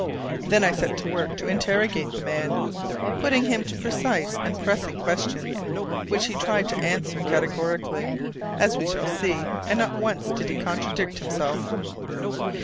Then I set to work to interrogate the man, putting to him precise and pressing questions which he tried to answer categorically, as we shall see, and not once did he contradict himself.